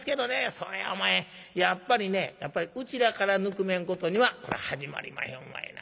そりゃお前やっぱりね内らからぬくめんことにはこら始まりまへんわいな。